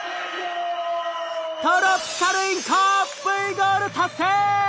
トロピカルインコＶゴール達成！